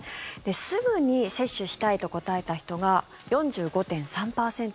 すぐに接種したいと答えた人が４５．３％